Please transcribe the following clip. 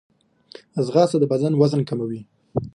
ځغاسته د بدن وزن کموي